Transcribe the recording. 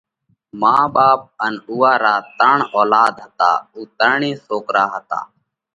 مان ٻاپ ان اُوئا را ترڻ اولاڌ هتا، اُو ترڻي سوڪرا هتا۔